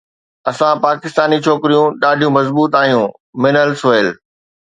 اسان پاڪستاني ڇوڪريون ڏاڍيون مضبوط آهيون منهل سهيل